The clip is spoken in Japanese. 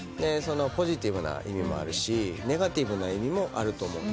ポジティブな意味もあるしネガティブな意味もあると思う。